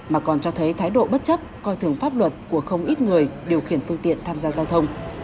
mà còn cho thấy thái độ bất chấp coi thường pháp luật của không ít người điều khiển phương tiện tham gia giao thông